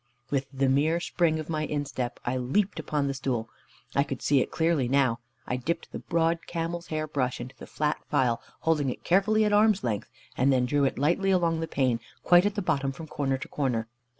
With the mere spring of my instep I leaped upon the stool. I could see it clearly now. I dipped the broad camel's hair brush in the flat phial, holding it carefully at arm's length, and then drew it lightly along the pane, quite at the bottom, from corner to corner.